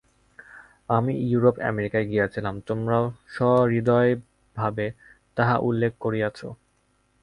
আমি ইউরোপ-আমেরিকায় গিয়াছিলাম, তোমরাও সহৃদয়ভাবে তাহা উল্লেখ করিয়াছ।